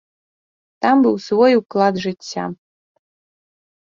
Там быў свой уклад жыцця.